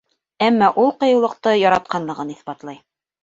Әммә ул ҡыйыулыҡты яратҡанлығын иҫбатлай.